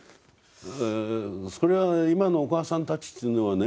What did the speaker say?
それは今のお母さんたちっていうのはね